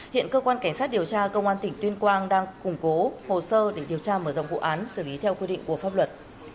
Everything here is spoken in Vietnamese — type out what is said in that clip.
hiện cơ quan cảnh sát điều tra công an tỉnh tuyên quang đang củng cố hồ sơ để điều tra mở rộng vụ án xử lý theo quy định của pháp luật